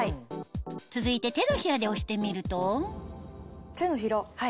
続いて手のひらで押してみると手のひら。